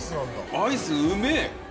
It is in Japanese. アイスうめぇ。